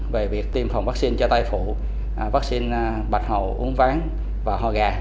về việc tiêm phòng vaccine cho tai phụ vaccine bạch hậu uống ván và hò gà